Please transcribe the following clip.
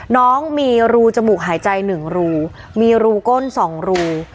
น้องมีรูจมูกหายใจ๑รูมีรูก้น๒รู